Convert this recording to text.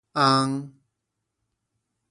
翁